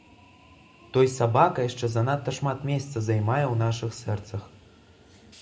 Той сабака яшчэ занадта шмат месца займае ў нашых сэрцах.